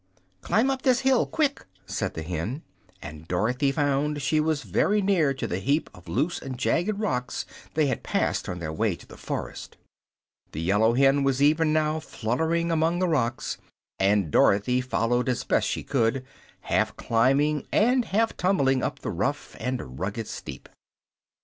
"Climb up this hill, quick!" said the hen; and Dorothy found she was very near to the heap of loose and jagged rocks they had passed on their way to the forest. The yellow hen was even now fluttering among the rocks, and Dorothy followed as best she could, half climbing and half tumbling up the rough and rugged steep.